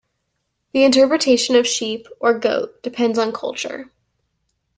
The interpretation of sheep or goat depends on culture.